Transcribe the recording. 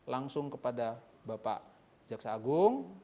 langsung kepada bapak jaksa agung